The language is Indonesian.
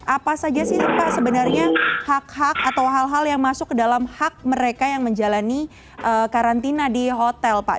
apa saja sih pak sebenarnya hak hak atau hal hal yang masuk ke dalam hak mereka yang menjalani karantina di hotel pak